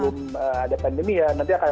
sebelum ada pandemi ya nanti akan